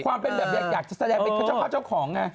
ความเป็นเหลือแบบอยากแสดงเจ้าข้าวเจ้าของ